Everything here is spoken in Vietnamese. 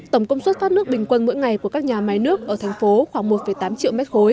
tổng công suất phát nước bình quân mỗi ngày của các nhà máy nước ở thành phố khoảng một tám triệu m ba